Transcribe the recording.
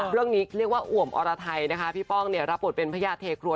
เรื่องนี้เรียกว่าอวมอรไทยนะคะพี่ป้องรับบทเป็นพระยาทรเทครัว